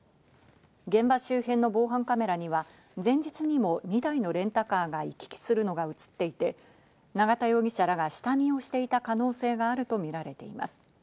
現場周辺の防犯カメラには前日にも２台のレンタカーが行き来するのが映っていて、永田容疑者らが下見をしていた可能性があるとみられています。